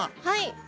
はい。